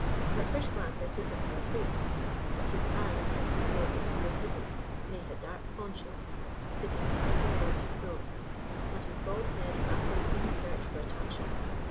At first glance I took him for a priest; but his bands, if he wore them, were hidden beneath a dark poncho fitting tightly about his throat, and his bald head baffled any search for a tonsure.